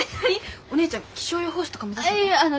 お姉ちゃん気象予報士とか目指すの？